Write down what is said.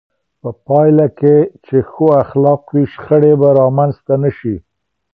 په پایله کې چې ښو اخلاق وي، شخړې به رامنځته نه شي.